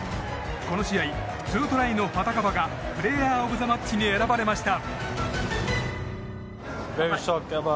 この試合２トライのファカタヴァがプレーヤー・オブ・ザ・マッチに選ばれました。